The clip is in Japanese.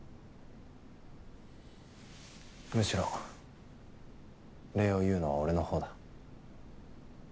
むしろ礼を言うのは俺の方だ。